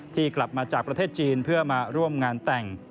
กลับมาจากประเทศจีนเพื่อมาร่วมงานแต่ง